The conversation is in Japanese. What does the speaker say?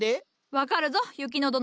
分かるぞ雪乃殿。